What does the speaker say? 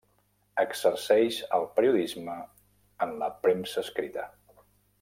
Exerceix el periodisme en la premsa escrita.